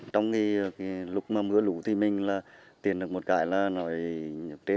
trong cái lúc mà mưa lụt thì mình là tiền được một cái là nói